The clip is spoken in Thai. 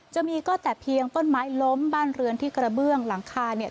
จะมีก็แต่เพียงต้นไม้ล้มบ้านเรือนที่กระเบื้องหลังคาเนี่ย